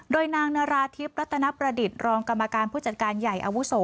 โดยนางนาราธิบรัตนประดิษฐ์รองกรรมการผู้จัดการใหญ่อาวุโส